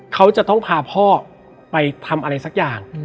เขาจะต้องพาพ่อไปทำอะไรสักอย่าง